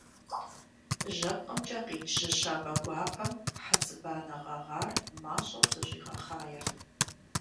ЖьэпкъымкӀэ къикӀ жьы щабэ гуапэм хьэцыбанэ гъэгъар мащӀэу зэщӀигъэхъаерт.